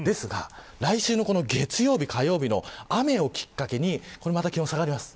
来週の月曜日、火曜日の雨をきっかけにまた気温が下がります。